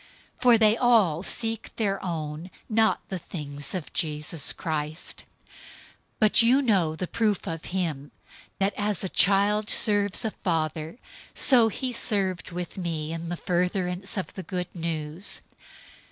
002:021 For they all seek their own, not the things of Jesus Christ. 002:022 But you know the proof of him, that, as a child serves a father, so he served with me in furtherance of the Good News.